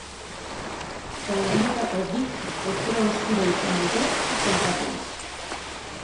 Zaurituetako bik hezur-haustura izan dute txorkatilan.